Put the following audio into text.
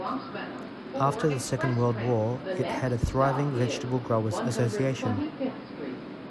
After the Second World War it had a thriving Vegetable Growers Association.